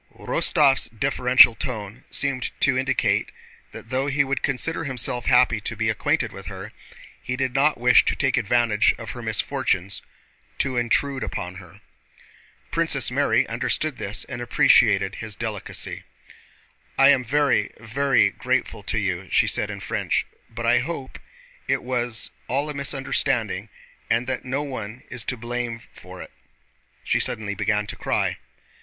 Rostóv's deferential tone seemed to indicate that though he would consider himself happy to be acquainted with her, he did not wish to take advantage of her misfortunes to intrude upon her. Princess Mary understood this and appreciated his delicacy. "I am very, very grateful to you," she said in French, "but I hope it was all a misunderstanding and that no one is to blame for it." She suddenly began to cry.